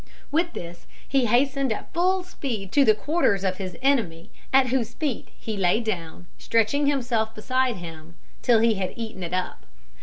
With this he hastened at full speed to the quarters of his enemy, at whose feet he laid it down, stretching himself beside him till he had eaten it up.